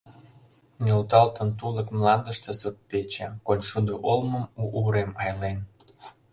Нӧлталтын тулык мландыште сурт-пече, Коншудо олмым у урем айлен.